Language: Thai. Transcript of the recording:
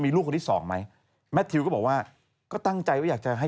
มีช้อส่วนได้หรอคะ